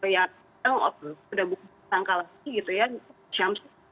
jadi kita sudah buka tangka lagi gitu ya